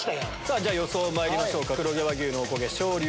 じゃ予想まいりましょうか。